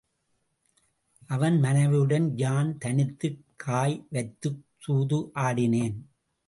அவன் மனைவியுடன் யான் தனித்துக் காய் வைத்துச் சூது ஆடினேன்.